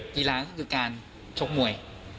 กีฬาก็คือการชกมวย